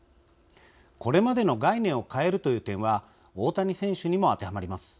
これまでの概念を変えるという点は大谷選手にも当てはまります。